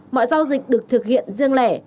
mọi giao dịch được thực hiện riêng lẻ